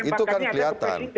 itu kan kelihatan